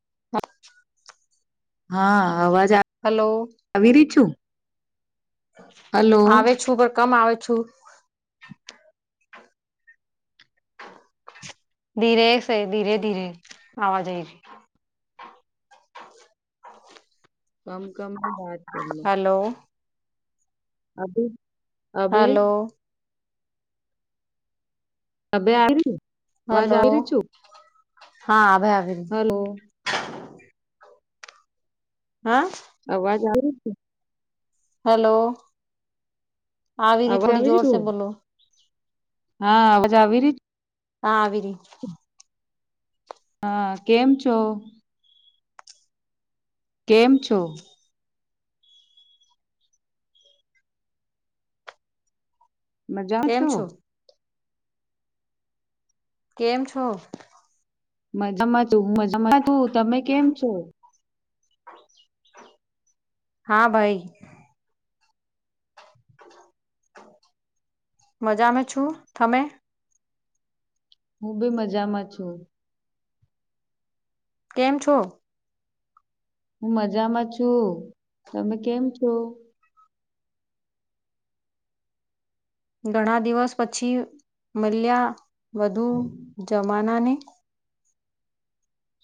[inaudible] હા અવાજ આવે હલો. નવરી છું. હલો આવે છું પણ કમ આવે છું. ધીરે છે ધીરે ધીરે આવાજ આવી છે. કમ કમની બાત હલો હા બેન હલો અબે આવેરી ને? હેલો હા હવે આવેરી. હલો હા અવાજ આવે છે? હલો આવેરી અવાજ થોડી આવી રહી જોર છું સે બોલો. હા અવાજ આવી રહી? હા આવીરી. હા કેમ છો? કેમ છો? મજામાં છો? કેમ છો? મજામાં તું મજામાં તું તમે કેમ છો? હા ભાઈ મજામે છું. તમે? હું બી મજામાં છું. કેમ છો? હું મજામાં છું. તમે કેમ છો? ઘણા દિવસ પછી મલ્યા વધુ જમાના ને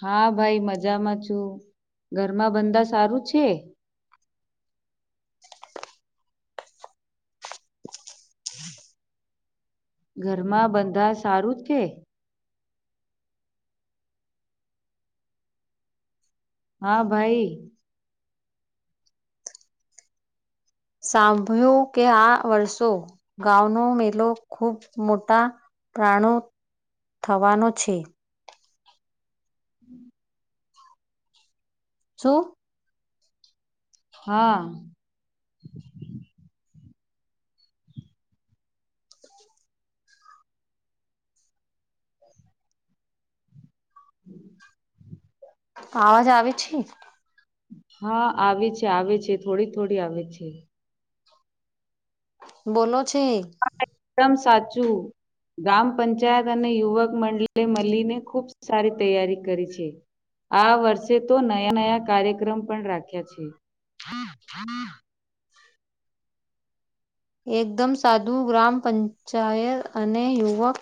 હા ભાઈ મજામાં છું. ઘરમાં બંધા સારું છે? ઘરમાં બંધા સારું જ કે? હા ભાઈ સાંભળ્યું કે આ વર્ષો ગાવનો મેલો ખૂબ મોટા પ્રાણો થવાનો છે. હમ શું? હા હમ આવાજ આવે છે? હા આવે છે, આવે છે થોડી થોડી આવે છે. બોલો છે. આ એકદમ સાચું. ગ્રામ પંચાયત અને યુવક મંડલી એ મલીને ખૂબ સારી તૈયારી કરી છે. આ વર્ષે તો નયા નયા કાર્યક્રમ પણ રાખ્યા છે. એકદમ સાદું ગ્રામ પંચાયત અને યુવક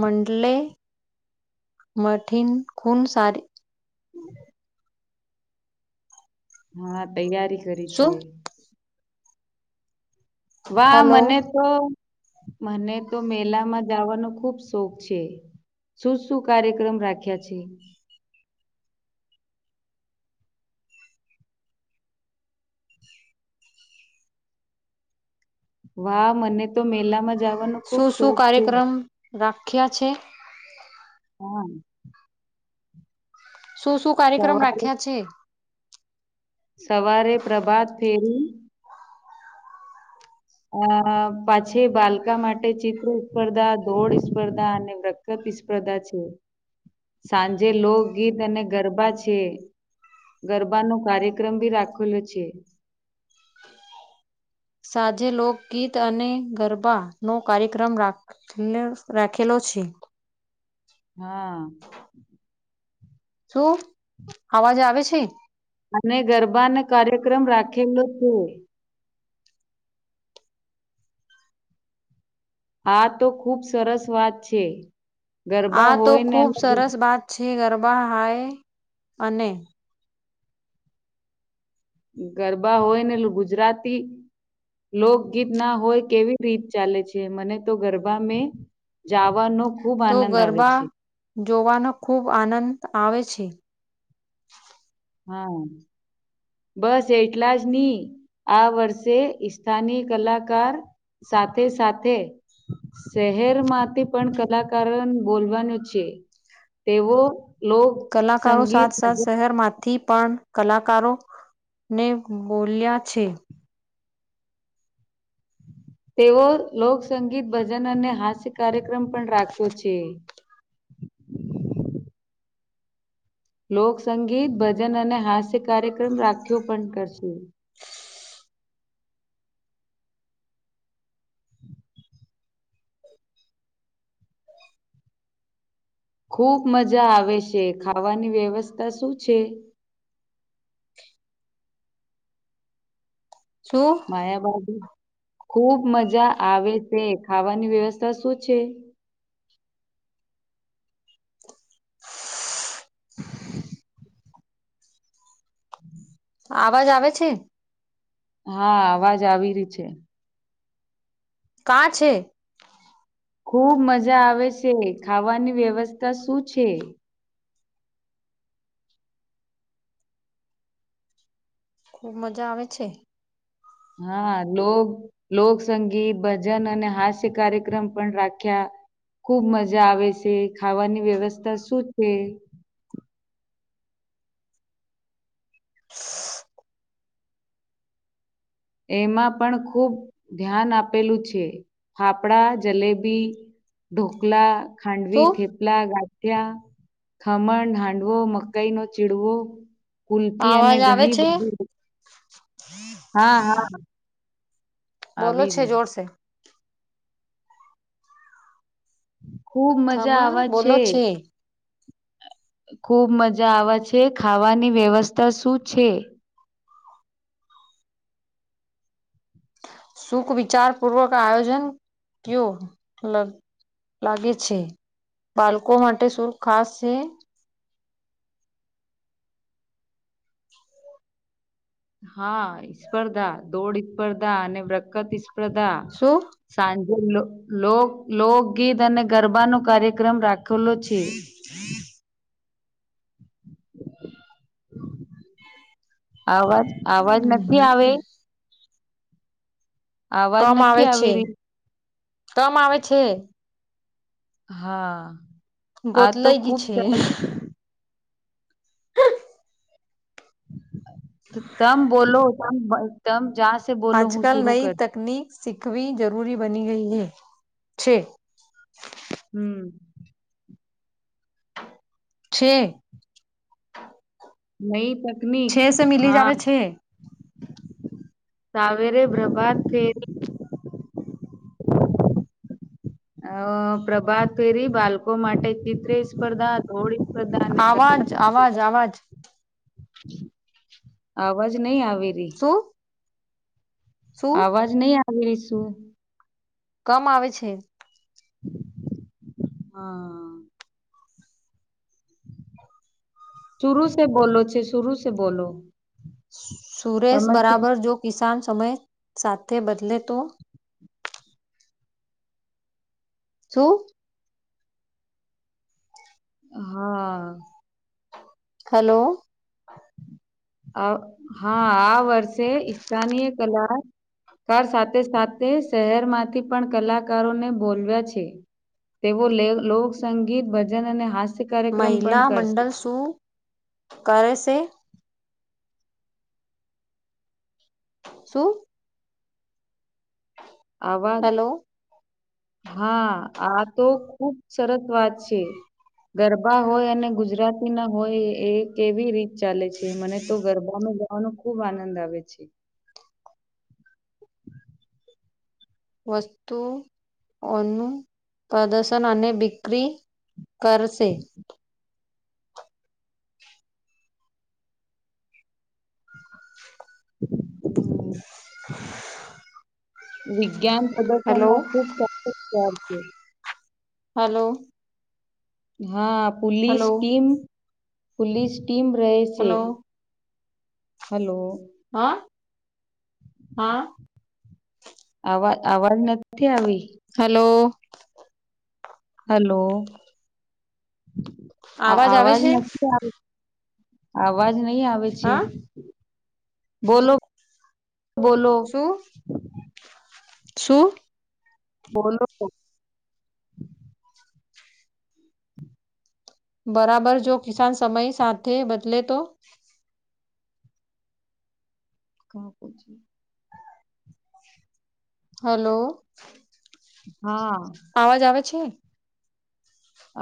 માંડલે મઠીન ખૂન સારી હા તૈયારી કરી છે. શું વાહ! હલો મને તો મને તો મેલામાં જાવાનો ખુબ શોખ છે. શું શું કાર્યક્રમ રાખ્યા છે? વાહ! મને તો મેલામાં જ શું શું કાર્યક્રમ રાખ્યા છે? હહ શું શું કાર્યક્રમ સવારે રાખ્યા છે? સવારે પ્રભાત ફેરી. અ પાછી બાલકા માટે ચિત્ર સ્પર્ધા, દોડ સ્પર્ધા અને વ પ્રતિસ્પર્ધા છે. સાંજે લોકગીત અને ગરબા છે. ગરબાનોો કાર્યક્રમ ભી રાખેલો છે. સાંજે લોકગીત અને ગરબા નો કાર્યક્રમ રાખ રાખેલો છે. હા શું અવાજ આવે છે. અને ગરબાને કાર્યક્રમ રાખેલો છે. હા તો ખુબ સરસ વાત છે. ગરબા આ તો હોય ને ખુબ અને ગુ સરસ વાત છે ગરબા હાય અને ગરબા હોય ને એ ગુજરાતી. લોકગીત ના હોય કેવી રીત ચાલે છે મને તો ગરબા મે જાવરનું. તો ગરબા જોવાનો ખુબ આનંદ આવે છે. હા. બસ એટલા જ નહી આ વર્ષે સ્થાની કલાકાર સાથે સાથે. શહેર માંથી પણ કલાકારો બોલવાનું છે. તેવો. કલાકારો સાથસાથ શહેરમાંથી પણ. કલાકારો ને બોલ્યા છે. તેઓ લોકસંગીત ભજન અને હાસ્ય કાર્યક્રમ પણ રાખ્યો છે. લોકસંગીત ભજન અને હાસ્ય કાર્યક્રમ રાખ્યો પણ કરશે. ખૂબ મજા આવે છે, ખાવાની વેવસ્થા શું છે? શું? માયા બા ખૂબ મજા આવે છે, ખાવાની વેવસ્થા શું છે? [inaudible] આવાજ આવે છે? હા, આવાજ આવી રયો છે. કા છે? ખૂબ મજા આવે છે, ખાવાની વેવસ્થા શું છે? ખૂબ મજા આવે છે. હા, લોગ લોકસંગીત ભજન અને હાસ્ય કાર્યક્રમ પણ રાખ્યા. ખૂબ મજા આવે છે, ખાવાની વેવસ્થા શું છે? એમાં પણ ખૂબ ધ્યાન આપેલું છે. ફાફડા, જલેબી ઢોકલા, ખાંડવી, શું થેપ લા, ગાંઠિયા, ખંમણ, હાંડવો, મકાઈનો ચીડવો, કુલ્ફી અને ઘણી બધી, હ, [inaudible] હા, હા, બોલો આવી છે, રહી જોર શે ખૂબ થમ મજા આવા બોલો છે. ખૂબ મજા આવે છે, ખાવાની વેવસ્થા શું છે? સુખ વિચાર પૂર્વક આયોજન કીયો લક લાગે છે, બાલકો માટે શું ખાસ શે? હા, સ્પર્ધા દોડ સ્પર્ધા અને વ્રકતી સ્પ્રધા શું? સાંજે લો લોક લોકગીત અને ગરબાનું કાર્યક્રમ રાખે. [inaudible] આવાજ આવાજ નથી આવે. આવાજ કમ નથી આવે આવી છે રહી. કમ આવે છે હા, આ તો ગોતલાઈ ગઈ ખૂબ છે સરસ તમ બોલો તમ તમ જાચ આજકાલ નઈ તકનીક શીખવી જરૂરી બની ગઈ હૈ છે. હમ, છે. નઈ તકનીક, છે સે મિલી જ હા, આવે છે સાવેરે પ્રભાત ફેરી અ પ્રભાત ફેરી બાલકો માટે ચિત્રી સ્પર્ધા, દોળી સ્પર્ધા ને આવાજ આવાજ આવાજ [unintelligible] અવાજ નઈ આવી રી શું? શું અવાજ નઈ આવી રી શું? કમ આવે છે. હા સુરૂ શે બોલો છે, શુરૂ શે બોલો સુરેશ તમે બરાબર, જો કિસાન સમેય સાથે બદલે તો શું? હમ, હલો! અ હા, આ વર્ષે ઈસ્થાનીય કલા કાર સાથે સાથે શહેરમાંથી પણ કલાકારોને બોલવ્યા છે. તેઓ લે લોકસંગીત ભજન અને હાસ્ય કાર્યક્રમ પણ મહિલા કરશે મંડલ શું કરે છે? શું? આવા હેલો હા, આ તો ખુબ સરસ વાત છે ગરબા હોય અને ગુજરાતી ના હોય એ કેવી રીતે ચાલે છે, મને તો ગરબામાં જવાનો ખુબ આનંદ આવે છે. વસ્તુઓનું પ્રદર્શન અને બિકરી કરશે. [inaudible] [inaudible] વિજ્ઞાન હેલો પ્રદર્શનમાં ખુબ [unintelligible] છે. હલો. હા, પુલીસ હલો પોલીસ ટીમ રહે છે. Hello hello. હા, હા. અવાજ અવાજ નથી આવે. હલો. હલો, અવ આવે અવાજ છે નથી આવે. અવાજ નહી આવે છે, હા બોલો બોલો. [unintelligible] શું? બોલો? બરાબર જો કિસાન સમય સાથે બદલે તો કા પછી હલો. હા. અવાજ આવે છે?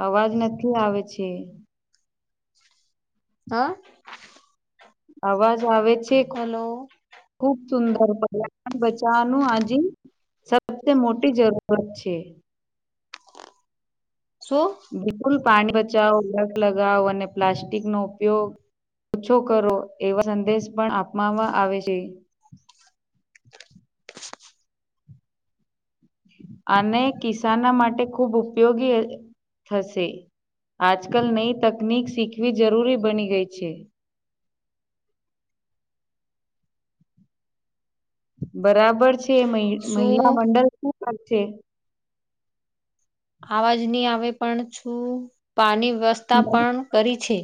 અવાજ નથી આવે છે. હા. અવાજ આવે છે? હેલો. ખુબ સુંદર પર્યાવરણ બચાવાનું [unintelligible] સબથી મોટી જરૂરત છે. શું? બિલકુલ પાણી બચાવો લગ લગાવ અને પ્લાસ્ટિકનો ઉપયોગ ઓછો કરવો એવા સંદેશ પણ આપવામાં આવે છે. અને કિસાન માટે ખૂબ ઉપયોગી થશે. આજકાલ નઈ તકનીક શીખવી જરૂરી બની ગઈ છે. બરાબર છે એ મહિલા શું મંડલ શું કરશે? અવાજ નહી આવે પણ શું પાણી વ્યવસ્થા પણ કરી છે.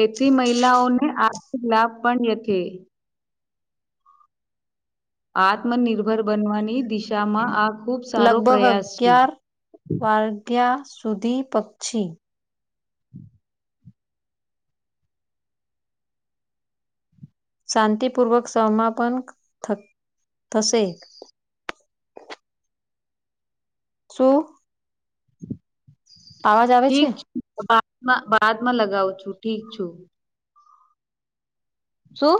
એથી મહિલાઓને આર્થિક લાભ પણ લેશે. આત્મનિર્ભર બનવાની દિશામાં આ ખુબ સારો પ્રયાસ છે. [unintelligible] ત્યાં સુધી પક્ષી [inaudible] શાંતિપૂર્વક સમાપન થા થશે. શું? અવાજ આવે છે ઠીક [unintelligible] માં લગાવું છું ઠીક છું. શું?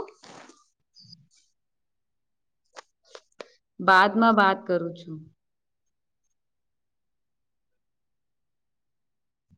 બાદમાં વાત કરું છું.